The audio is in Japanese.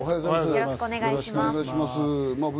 よろしくお願いします。